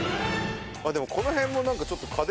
でも、このへんもなんかちょっと家電。